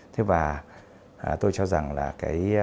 thế và tôi cho rằng là cái